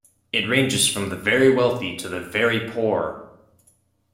It ranges from the very wealthy to the very poor.